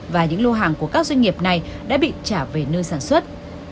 và những lô hàng của các doanh nghiệp này đã bị trả về nơi sản xuất